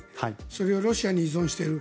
それをロシアに依存している。